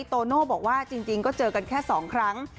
โตโน่บอกว่าจริงก็เจอกันแค่๒ครั้ง